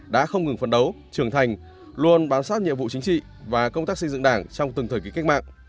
đã không ngừng phấn đấu trưởng thành luôn bám sát nhiệm vụ chính trị và công tác xây dựng đảng trong từng thời kỳ cách mạng